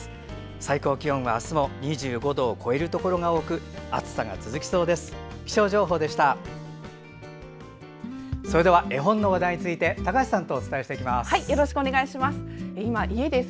最高気温は、あすも２５度を超えるところが多く暑さが続きそうです。